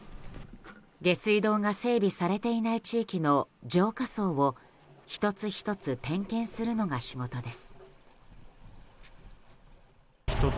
下水道が整備されていない地域の浄化槽を１つ１つ点検するのが仕事です。